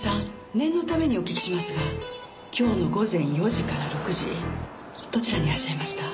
念のためにお聞きしますが今日の午前４時から６時どちらにいらっしゃいました？